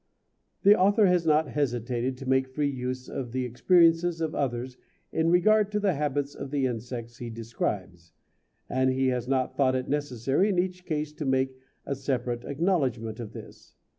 The author has not hesitated to make free use of the experiences of others in regard to the habits of the insects he describes, and he has not thought it necessary in each case to make separate acknowledgment of this.